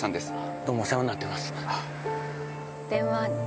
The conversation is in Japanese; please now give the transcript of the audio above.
どうもお世話になってます。